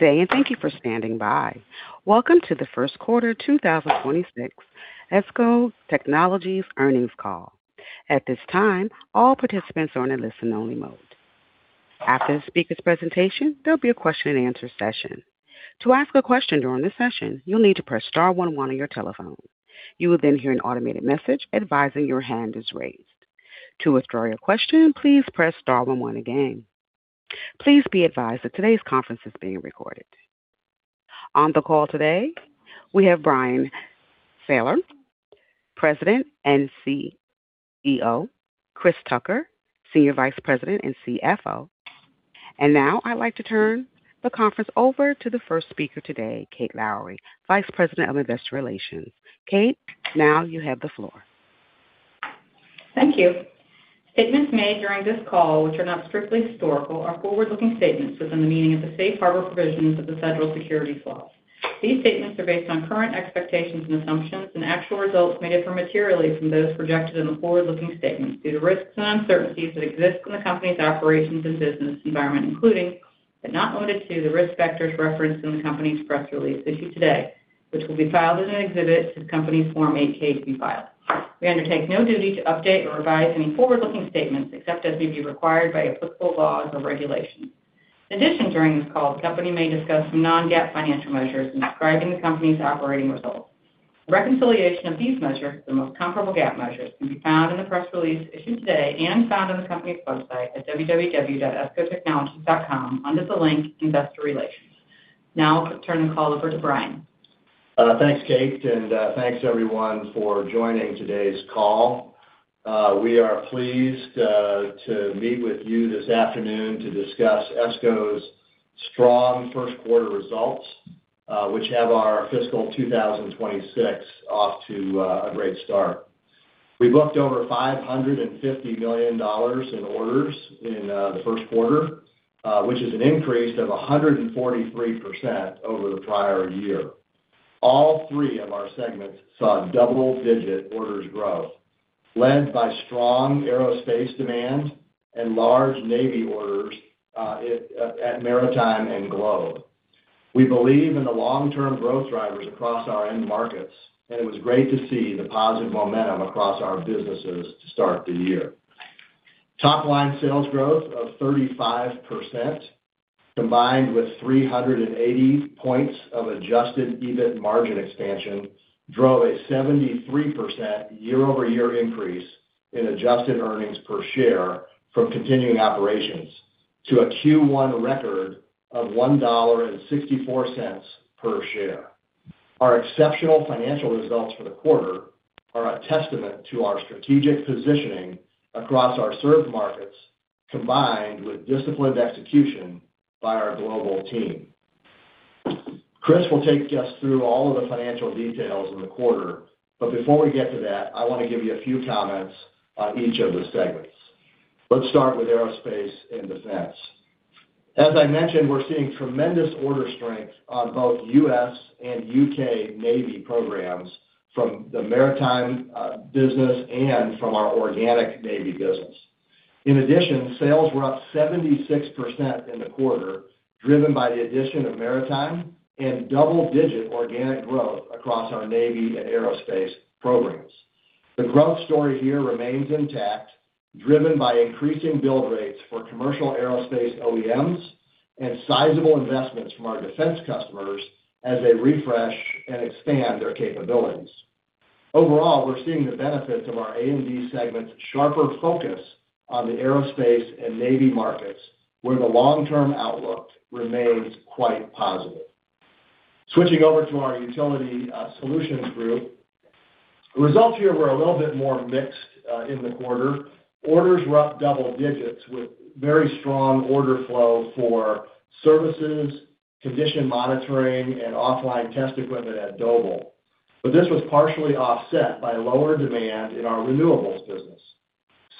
Day, and thank you for standing by. Welcome to Q1 2026 ESCO Technologies Earnings Call. At this time, all participants are in a listen-only mode. After the speaker's presentation, there'll be a question-and-answer session. To ask a question during this session, you'll need to press star one one on your telephone. You will then hear an automated message advising your hand is raised. To withdraw your question, please press star one one again. Please be advised that today's conference is being recorded. On the call today, we have Bryan Sayler, President and CEO; Chris Tucker, Senior Vice President and CFO. And now, I'd like to turn the conference over to the first speaker today, Kate Lowrey, Vice President of Investor Relations. Kate, now you have the floor. Thank you. Statements made during this call, which are not strictly historical, are forward-looking statements within the meaning of the safe harbor provisions of the federal securities laws. These statements are based on current expectations and assumptions, and actual results may differ materially from those projected in the forward-looking statements due to risks and uncertainties that exist in the company's operations and business environment, including, but not limited to, the risk factors referenced in the company's press release issued today, which will be filed as an exhibit to the company's Form 8-K we filed. We undertake no duty to update or revise any forward-looking statements except as may be required by applicable laws or regulations. In addition, during this call, the company may discuss some non-GAAP financial measures in describing the company's operating results. Reconciliation of these measures to the most comparable GAAP measures can be found in the press release issued today and found on the company's website at www.escotechnologies.com under the link Investor Relations. Now I'll turn the call over to Bryan. Thanks, Kate, and thanks everyone for joining today's call. We are pleased to meet with you this afternoon to discuss ESCO's strong Q1 results, which have our fiscal 2026 off to a great start. We booked over $550 million in orders in Q1, which is an increase of 143% over the prior year. All three of our segments saw double-digit orders growth, led by strong aerospace demand and large Navy orders at Maritime and Globe. We believe in the long-term growth drivers across our end markets, and it was great to see the positive momentum across our businesses to start the year. Top line sales growth of 35%, combined with 380 points of adjusted EBIT margin expansion, drove a 73% year-over-year increase in adjusted earnings per share from continuing operations to a Q1 record of $1.64 per share. Our exceptional financial results for the quarter are a testament to our strategic positioning across our served markets, combined with disciplined execution by our global team. Chris will take us through all of the financial details in the quarter, but before we get to that, I want to give you a few comments on each of the segments. Let's start with aerospace and defense. As I mentioned, we're seeing tremendous order strength on both US and UK Navy programs from the Maritime business and from our organic Navy business. In addition, sales were up 76% in the quarter, driven by the addition of Maritime and double-digit organic growth across our Navy and aerospace programs. The growth story here remains intact, driven by increasing build rates for commercial aerospace OEMs and sizable investments from our defense customers as they refresh and expand their capabilities. Overall, we're seeing the benefits of our A&D segment's sharper focus on the aerospace and Navy markets, where the long-term outlook remains quite positive. Switching over to our utility solutions group. The results here were a little bit more mixed in the quarter. Orders were up double digits, with very strong order flow for services, condition monitoring, and offline test equipment at Doble. But this was partially offset by lower demand in our renewables business.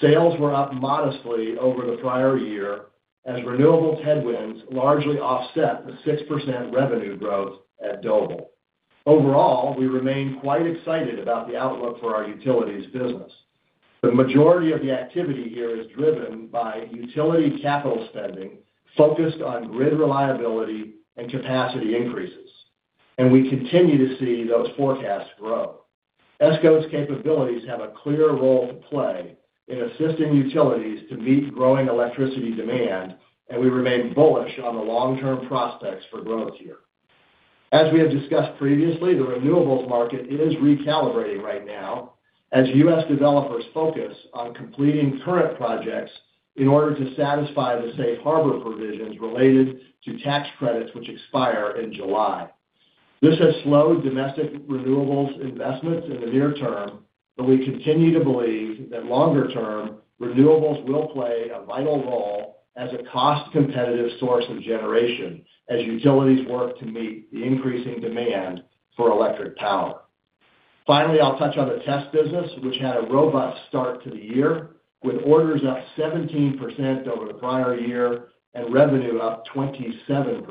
Sales were up modestly over the prior year, as renewables headwinds largely offset the 6% revenue growth at Doble. Overall, we remain quite excited about the outlook for our utilities business. The majority of the activity here is driven by utility capital spending focused on grid reliability and capacity increases, and we continue to see those forecasts grow. ESCO's capabilities have a clear role to play in assisting utilities to meet growing electricity demand, and we remain bullish on the long-term prospects for growth here. As we have discussed previously, the renewables market is recalibrating right now as US developers focus on completing current projects in order to satisfy the safe harbor provisions related to tax credits, which expire in July. This has slowed domestic renewables investments in the near term, but we continue to believe that longer term, renewables will play a vital role as a cost-competitive source of generation as utilities work to meet the increasing demand for electric power. Finally, I'll touch on the Test business, which had a robust start to the year, with orders up 17% over the prior year and revenue up 27%.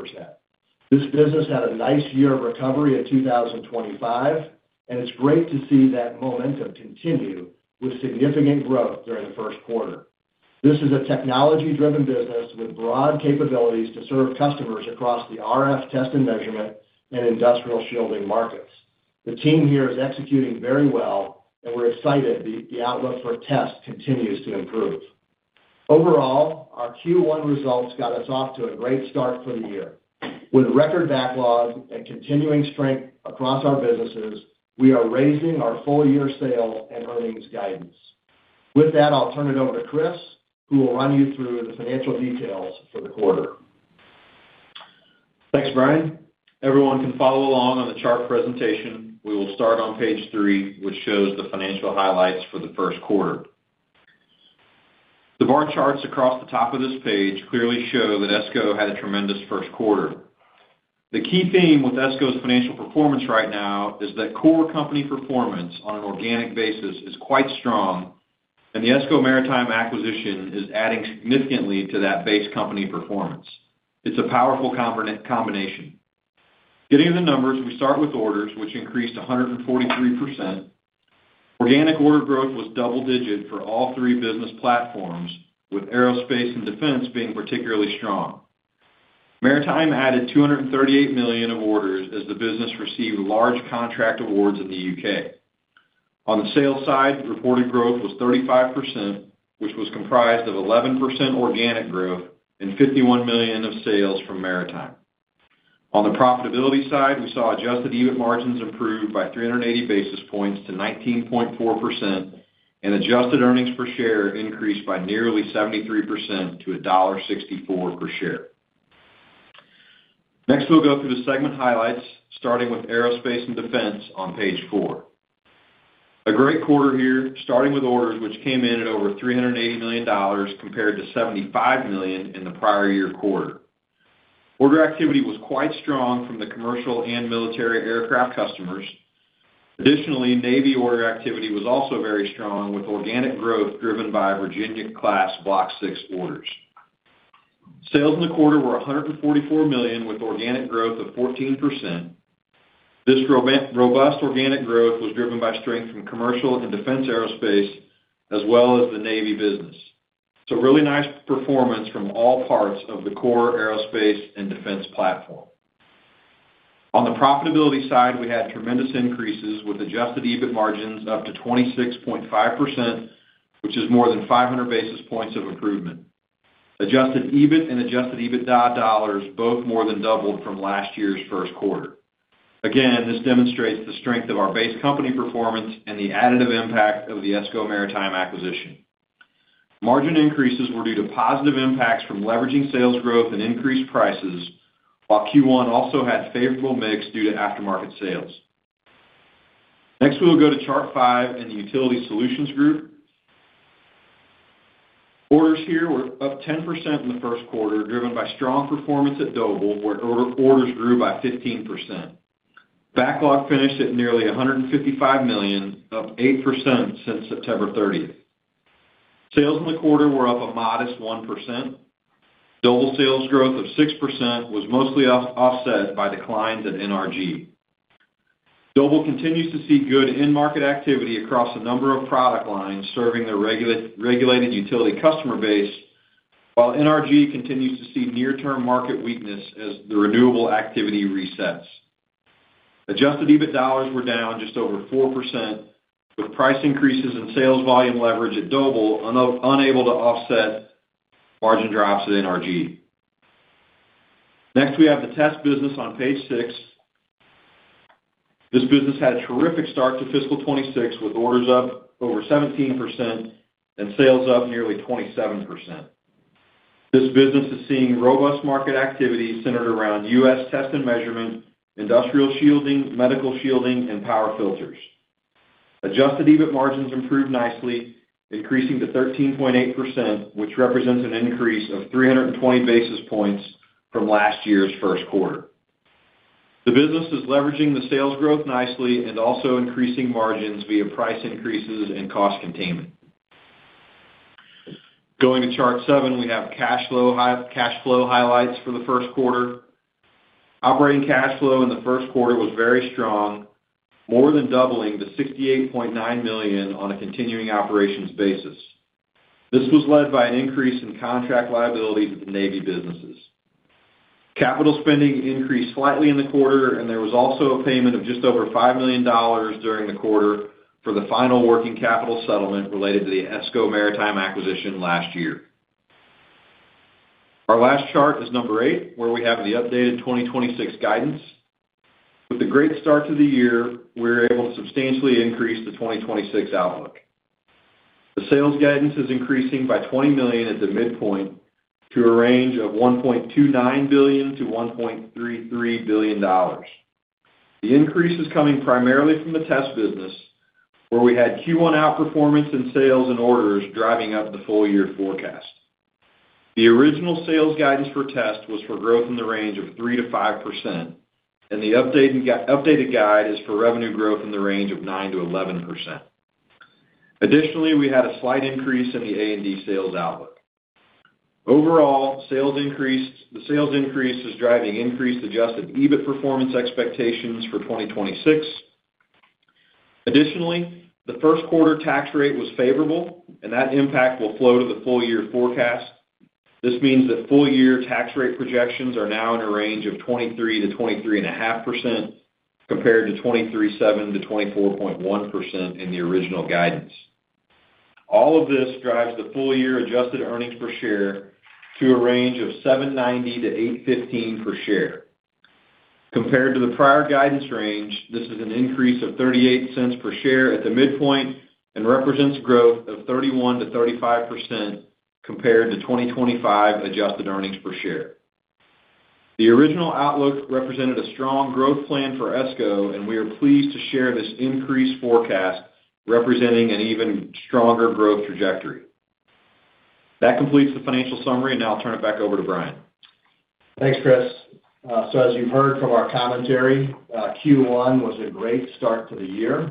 This business had a nice year of recovery in 2025, and it's great to see that momentum continue with significant growth during Q1. This is a technology-driven business with broad capabilities to serve customers across the RF test and measurement and industrial shielding markets. The team here is executing very well, and we're excited the outlook for Test continues to improve. Overall, our Q1 results got us off to a great start for the year. With record backlog and continuing strength across our businesses, we are raising our full-year sales and earnings guidance. With that, I'll turn it over to Chris, who will run you through the financial details for the quarter. Thanks, Bryan. Everyone can follow along on the chart presentation. We will start on page three, which shows the financial highlights for Q1. The bar charts across the top of this page clearly show that ESCO had a tremendous Q1. The key theme with ESCO's financial performance right now is that core company performance on an organic basis is quite strong, and the ESCO Maritime acquisition is adding significantly to that base company performance. It's a powerful combination. Getting to the numbers, we start with orders, which increased 143%. Organic order growth was double-digit for all three business platforms, with aerospace and defense being particularly strong. Maritime added $238 million of orders as the business received large contract awards in the UK. On the sales side, reported growth was 35%, which was comprised of 11% organic growth and $51 million of sales from Maritime. On the profitability side, we saw adjusted EBIT margins improve by 380 basis points to 19.4%, and adjusted earnings per share increased by nearly 73% to $1.64 per share. Next, we'll go through the segment highlights, starting with Aerospace and Defense on page four. A great quarter here, starting with orders, which came in at over $380 million, compared to $75 million in the prior year quarter. Order activity was quite strong from the commercial and military aircraft customers. Additionally, Navy order activity was also very strong, with organic growth driven by Virginia-class Block VI orders. Sales in the quarter were $144 million, with organic growth of 14%. This robust organic growth was driven by strength from commercial and defense aerospace, as well as the Navy business. It's a really nice performance from all parts of the core aerospace and defense platform. On the profitability side, we had tremendous increases with adjusted EBIT margins up to 26.5%, which is more than 500 basis points of improvement. Adjusted EBIT and adjusted EBIT dollars both more than doubled from last year's Q1. Again, this demonstrates the strength of our base company performance and the additive impact of the ESCO Maritime acquisition. Margin increases were due to positive impacts from leveraging sales growth and increased prices, while Q1 also had favorable mix due to aftermarket sales. Next, we will go to chart five in the Utility Solutions Group. Orders here were up 10% in Q1, driven by strong performance at Doble, where orders grew by 15%. Backlog finished at nearly $155 million, up 8% since September 30th. Sales in the quarter were up a modest 1%. Doble sales growth of 6% was mostly offset by declines at NRG. Doble continues to see good end market activity across a number of product lines serving their regulated utility customer base, while NRG continues to see near-term market weakness as the renewable activity resets. Adjusted EBIT dollars were down just over 4%, with price increases and sales volume leverage at Doble unable to offset margin drops at NRG. Next, we have the Test business on page six. This business had a terrific start to fiscal 2026, with orders up over 17% and sales up nearly 27%. This business is seeing robust market activity centered around US test and measurement, industrial shielding, medical shielding, and power filters. Adjusted EBIT margins improved nicely, increasing to 13.8%, which represents an increase of 320 basis points from last year's Q1. The business is leveraging the sales growth nicely and also increasing margins via price increases and cost containment. Going to chart seven, we have cash flow highlights for Q1. Operating cash flow in Q1 was very strong, more than doubling to $68.9 million on a continuing operations basis. This was led by an increase in contract liability to the Navy businesses. Capital spending increased slightly in the quarter, and there was also a payment of just over $5 million during the quarter for the final working capital settlement related to the ESCO Maritime acquisition last year. Our last chart is number eight, where we have the updated 2026 guidance. With the great start to the year, we're able to substantially increase the 2026 outlook. The sales guidance is increasing by $20 million at the midpoint to a range of $1.29 billion to $1.33 billion. The increase is coming primarily from the Test business, where we had Q1 outperformance in sales and orders, driving up the full-year forecast. The original sales guidance for Test was for growth in the range of 3% to 5%, and the updated guide is for revenue growth in the range of 9% to 11%. Additionally, we had a slight increase in the A&D sales outlook. Overall, the sales increase is driving increased adjusted EBIT performance expectations for 2026. Additionally, Q1 tax rate was favorable, and that impact will flow to the full year forecast. This means that full year tax rate projections are now in a range of 23% to 23.5%, compared to 23.7% to 24.1% in the original guidance. All of this drives the full year adjusted earnings per share to a range of $7.90 to $8.15 per share. Compared to the prior guidance range, this is an increase of $0.38 per share at the midpoint and represents growth of 31% to 35% compared to 2025 adjusted earnings per share. The original outlook represented a strong growth plan for ESCO, and we are pleased to share this increased forecast, representing an even stronger growth trajectory. That completes the financial summary, and now I'll turn it back over to Bryan. Thanks, Chris. As you've heard from our commentary, Q1 was a great start to the year.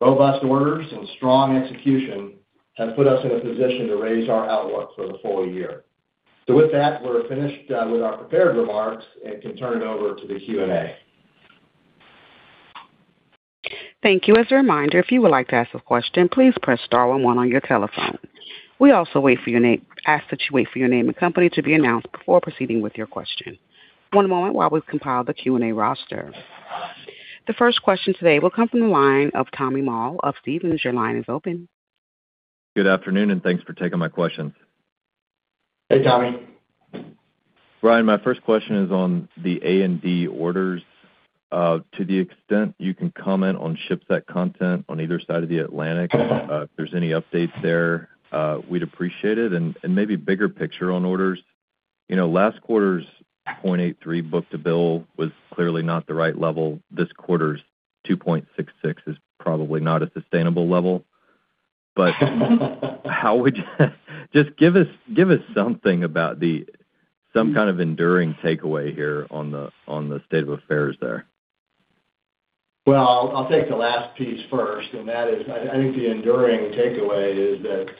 Robust orders and strong execution have put us in a position to raise our outlook for the full year. With that, we're finished with our prepared remarks and can turn it over to the Q&A. Thank you. As a reminder, if you would like to ask a question, please press star one on your telephone. We also ask that you wait for your name and company to be announced before proceeding with your question. One moment while we compile the Q&A roster. The first question today will come from the line of Tommy Moll of Stephens. Your line is open. Good afternoon, and thanks for taking my questions. Hey, Tommy. Bryan, my first question is on the A&D orders. To the extent you can comment on ship set content on either side of the Atlantic, if there's any updates there, we'd appreciate it. And maybe bigger picture on orders. You know, last quarter's 0.83 book-to-bill was clearly not the right level. This quarter's 2.66 is probably not a sustainable level. But how would you... Just give us, give us something about some kind of enduring takeaway here on the state of affairs there. Well, I'll take the last piece first, and that is, I think the enduring takeaway is that,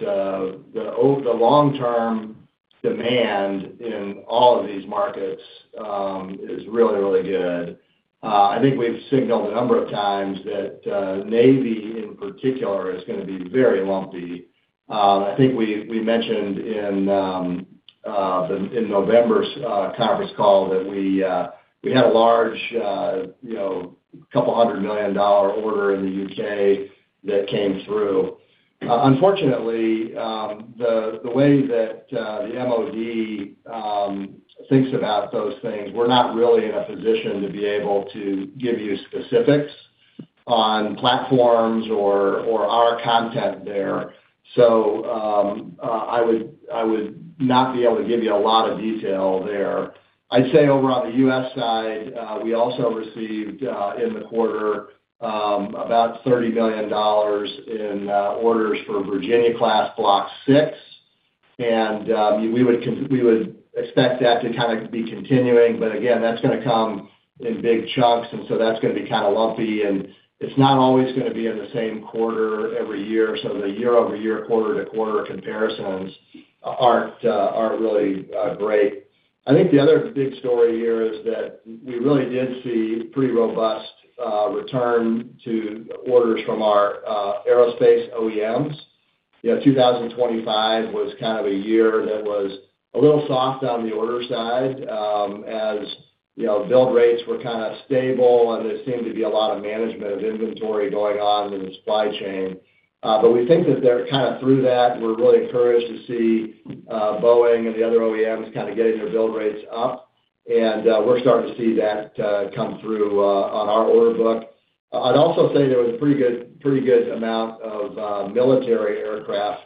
the long-term demand in all of these markets, is really, really good. I think we've signaled a number of times that, Navy, in particular, is gonna be very lumpy. I think we mentioned in November's conference call that we had a large, you know, $200 million order in the UK that came through. Unfortunately, the way that, the MOD, thinks about those things, we're not really in a position to be able to give you specifics on platforms or, or our content there. So, I would not be able to give you a lot of detail there. I'd say over on the US side, we also received in the quarter about $30 million in orders for Virginia-class Block VI. We would expect that to kind of be continuing, but again, that's gonna come in big chunks, and so that's gonna be kind of lumpy, and it's not always gonna be in the same quarter every year. So the year-over-year, quarter-to-quarter comparisons aren't really great. I think the other big story here is that we really did see pretty robust return to orders from our aerospace OEMs. You know, 2025 was kind of a year that was a little soft on the order side, as, you know, build rates were kind of stable, and there seemed to be a lot of management of inventory going on in the supply chain. But we think that they're kind of through that. We're really encouraged to see Boeing and the other OEMs kind of getting their build rates up, and we're starting to see that come through on our order book. I'd also say there was a pretty good, pretty good amount of military aircraft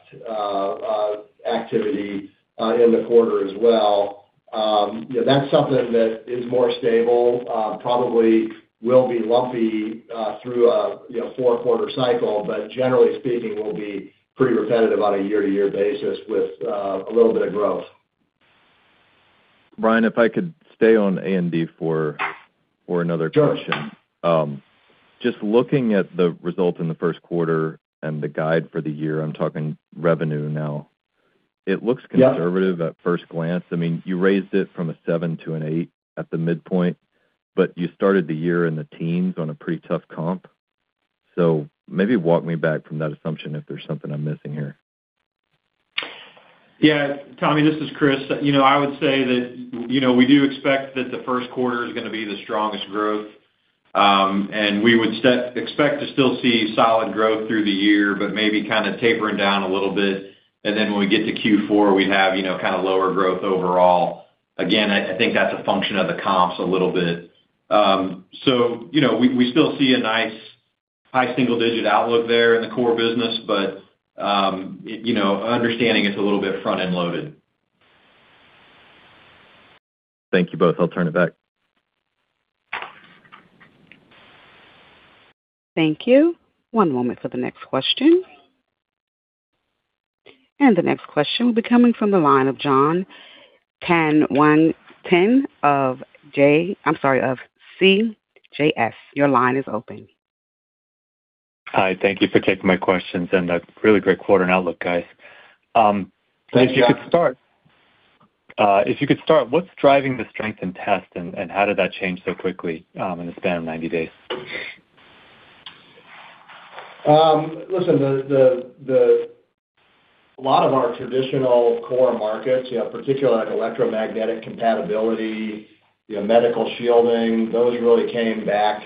activity in the quarter as well. You know, that's something that is more stable, probably will be lumpy, through a, you know, four-quarter cycle, but generally speaking, will be pretty repetitive on a year-to-year basis with, a little bit of growth. Bryan, if I could stay on A&D for another question. Sure. Just looking at the results in Q1 and the guide for the year, I'm talking revenue now. Yeah. It looks conservative at first glance. I mean, you raised it from a seven to an eight at the midpoint, but you started the year in the teens on a pretty tough comp. So maybe walk me back from that assumption if there's something I'm missing here. Yeah, Tommy, this is Chris. You know, I would say that, you know, we do expect that Q1 is gonna be the strongest growth, and we would expect to still see solid growth through the year, but maybe kind of tapering down a little bit. And then when we get to Q4, we have, you know, kind of lower growth overall. Again, I think that's a function of the comps a little bit. So you know, we still see a nice high single-digit outlook there in the core business, but you know, understanding it's a little bit front-end loaded. Thank you both. I'll turn it back. Thank you. One moment for the next question. The next question will be coming from the line of Jon Tanwanteng of CJS Securities. Your line is open. Hi, thank you for taking my questions and a really great quarter and outlook, guys. If you could start. if you could start, what's driving the strength in Test, and how did that change so quickly, in the span of 90 days? Listen, a lot of our traditional core markets, you know, particularly like electromagnetic compatibility, you know, medical shielding, those really came back,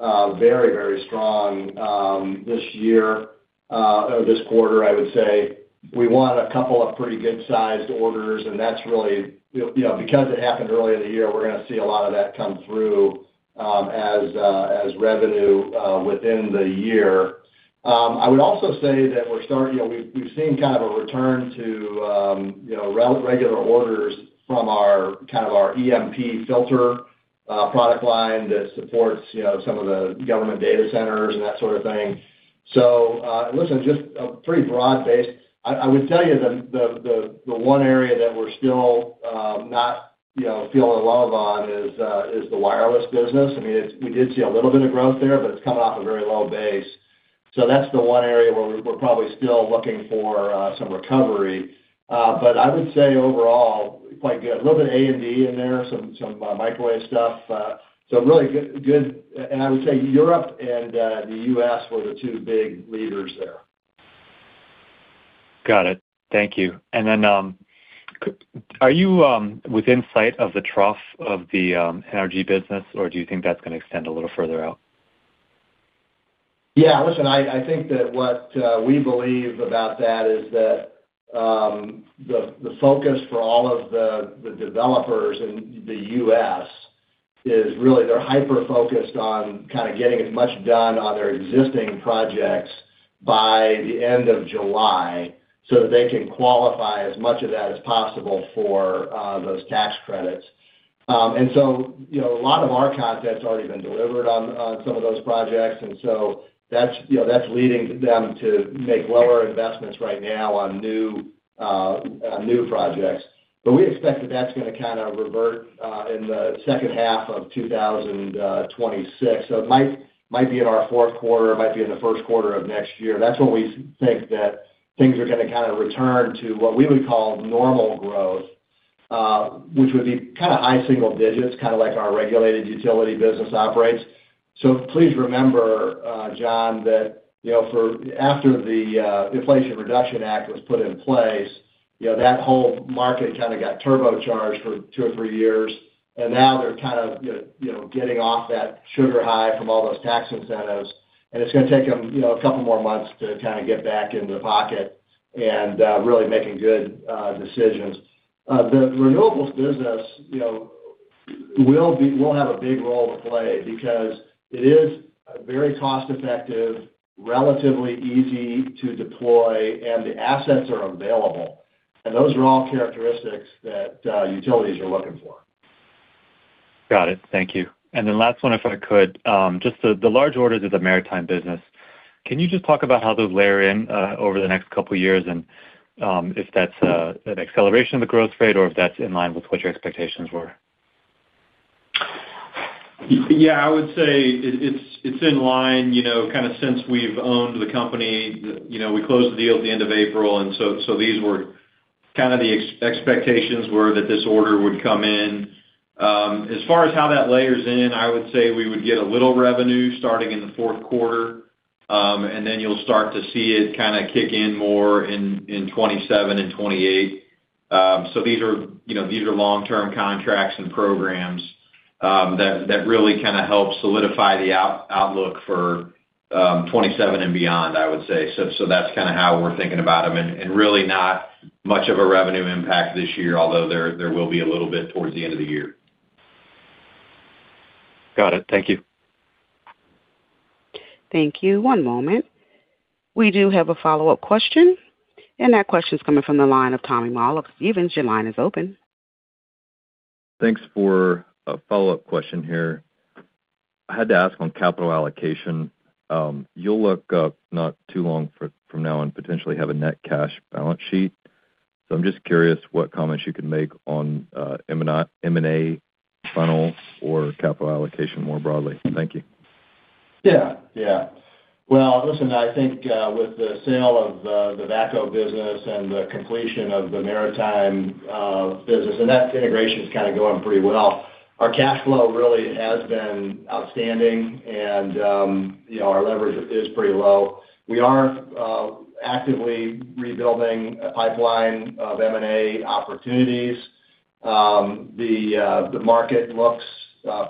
very, very strong, this year, or this quarter, I would say. We won a couple of pretty good-sized orders, and that's really, you know, because it happened earlier in the year, we're gonna see a lot of that come through, as revenue, within the year. I would also say that we're starting—you know, we've seen kind of a return to, you know, regular orders from our EMP filter product line that supports, you know, some of the government data centers and that sort of thing. So, just a pretty broad base. I would tell you the one area that we're still not, you know, feeling a love on is the wireless business. I mean, it we did see a little bit of growth there, but it's coming off a very low base. So that's the one area where we're probably still looking for some recovery. But I would say overall, quite good. A little bit of A&D in there, some microwave stuff, so really good, good. And I would say Europe and the US were the two big leaders there. Got it. Thank you. And then, are you within sight of the trough of the energy business, or do you think that's gonna extend a little further out? Yeah, listen, I think that what we believe about that is that the focus for all of the developers in the US is really they're hyper-focused on kind of getting as much done on their existing projects by the end of July, so that they can qualify as much of that as possible for those tax credits. And so, you know, a lot of our content's already been delivered on some of those projects, and so that's, you know, that's leading them to make lower investments right now on new projects. But we expect that that's gonna kind of revert in the second half of 2026. So it might be in our Q4, it might be in Q1 of next year. That's when we think that things are gonna kind of return to what we would call normal growth, which would be kind of high single digits, kind of like our regulated utility business operates. So please remember, John, that, you know, after the Inflation Reduction Act was put in place, you know, that whole market kind of got turbocharged for two or three years, and now they're kind of, you know, you know, getting off that sugar high from all those tax incentives, and it's gonna take them, you know, a couple more months to kind of get back into the pocket and really making good decisions. The renewables business, you know, will have a big role to play because it is very cost effective, relatively easy to deploy, and the assets are available, and those are all characteristics that utilities are looking for. Got it. Thank you. And then last one, if I could. Just the large orders of the Maritime business, can you just talk about how those layer in over the next couple of years, and if that's an acceleration of the growth rate, or if that's in line with what your expectations were? Yeah, I would say it, it's in line, you know, kind of since we've owned the company. You know, we closed the deal at the end of April, and so these were kind of the expectations were that this order would come in. As far as how that layers in, I would say we would get a little revenue starting in Q4, and then you'll start to see it kind of kick in more in 2027 and 2028. So these are, you know, these are long-term contracts and programs, that really kind of help solidify the outlook for 2027 and beyond, I would say. So that's kind of how we're thinking about them, and really not much of a revenue impact this year, although there will be a little bit towards the end of the year. Got it. Thank you. Thank you. One moment. We do have a follow-up question, and that question is coming from the line of Tommy Moll. Stephens, your line is open. Thanks for a follow-up question here. I had to ask on capital allocation, you'll look, not too long from now on, potentially have a net cash balance sheet. So I'm just curious what comments you can make on, M&A funnel or capital allocation more broadly. Thank you. Yeah, yeah. Well, listen, I think, with the sale of the, the VACCO business and the completion of the Maritime business, and that integration is kind of going pretty well, our cash flow really has been outstanding, and, you know, our leverage is pretty low. We are actively rebuilding a pipeline of M&A opportunities. The market looks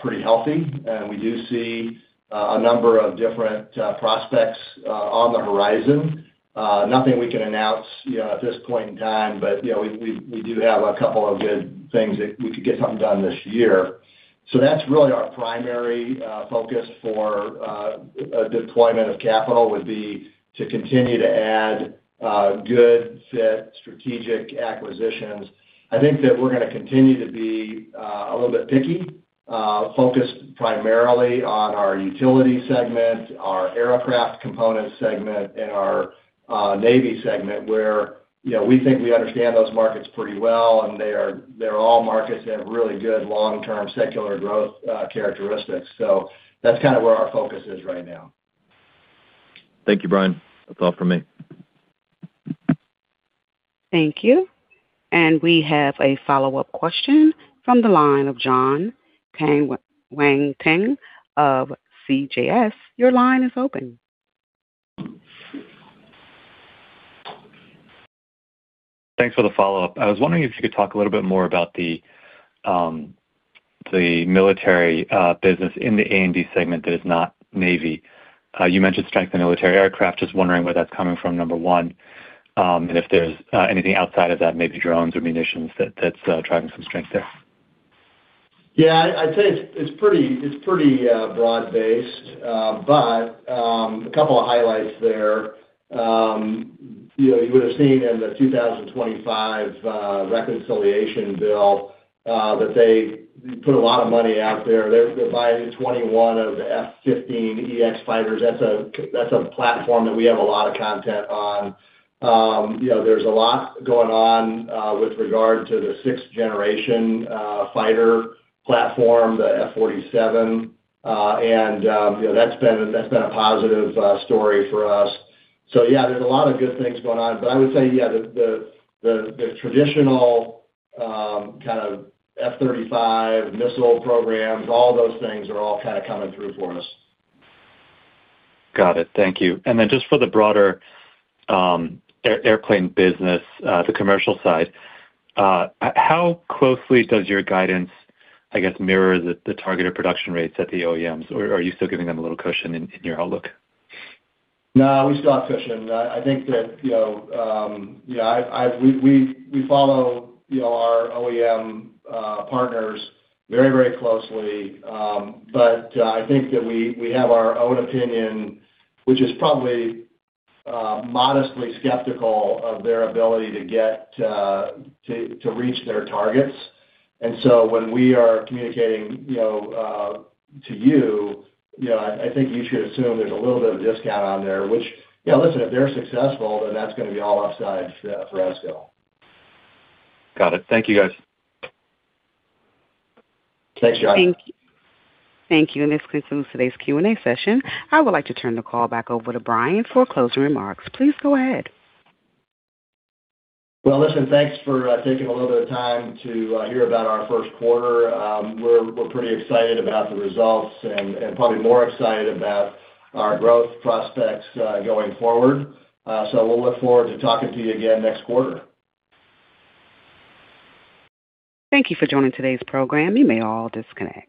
pretty healthy, and we do see a number of different prospects on the horizon. Nothing we can announce, you know, at this point in time, but, you know, we do have a couple of good things that we could get something done this year. So that's really our primary focus for a deployment of capital, would be to continue to add good, fit, strategic acquisitions. I think that we're gonna continue to be, a little bit picky, focused primarily on our utility segment, our aircraft components segment, and our, Navy segment, where, you know, we think we understand those markets pretty well, and they are, they're all markets that have really good long-term secular growth, characteristics. So that's kind of where our focus is right now. Thank you, Bryan. That's all from me. Thank you. We have a follow-up question from the line of Jon Tanwanteng of CJS. Your line is open. Thanks for the follow-up. I was wondering if you could talk a little bit more about the military business in the A&D segment that is not Navy. You mentioned strength in military aircraft. Just wondering where that's coming from, number one, and if there's anything outside of that, maybe drones or munitions, that's driving some strength there. Yeah, I'd say it's pretty broad-based. But a couple of highlights there. You know, you would've seen in the 2025 reconciliation bill that they put a lot of money out there. They're buying 21 of the F-15EX fighters. That's a platform that we have a lot of content on. You know, there's a lot going on with regard to the sixth generation fighter platform, the F-47. And you know, that's been a positive story for us. So yeah, there's a lot of good things going on, but I would say yeah, the traditional kind of F-35 missile programs, all those things are all kind of coming through for us. Got it. Thank you. And then just for the broader airplane business, the commercial side, how closely does your guidance, I guess, mirror the targeted production rates at the OEMs, or are you still giving them a little cushion in your outlook? No, we still have cushion. I think that, you know, you know, we follow, you know, our OEM partners very, very closely. But I think that we have our own opinion, which is probably modestly skeptical of their ability to get to reach their targets. And so when we are communicating, you know, to you, you know, I think you should assume there's a little bit of discount on there, which, you know, listen, if they're successful, then that's gonna be all upside for us still. Got it. Thank you, guys. Thanks, Jon. Thank you. Thank you, and this concludes today's Q&A session. I would like to turn the call back over to Bryan for closing remarks. Please go ahead. Well, listen, thanks for taking a little bit of time to hear about our Q1. We're pretty excited about the results and probably more excited about our growth prospects going forward. So we'll look forward to talking to you again next quarter. Thank you for joining today's program. You may all disconnect.